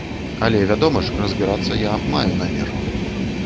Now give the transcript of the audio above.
Але, вядома ж, разбірацца я маю намер.